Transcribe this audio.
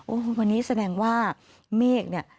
โอ้โหวันนี้แสดงว่าเมฆเนี่ย